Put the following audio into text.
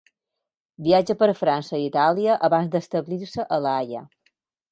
Viatja per França i Itàlia abans d'establir-se a La Haia.